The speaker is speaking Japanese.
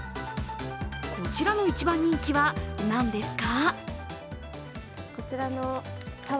こちらの一番人気は何ですか？